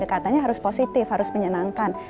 katanya harus positif harus menyenangkan